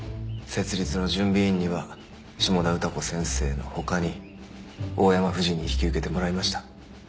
設立の準備委員には下田歌子先生の他に大山夫人に引き受けてもらいました。